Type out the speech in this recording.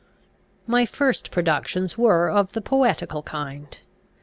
My first productions were of the poetical kind.